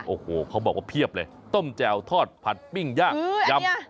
โอ้โหเขาบอกว่าเพียบเลยต้มแจ่วทอดผัดปิ้งย่างยำ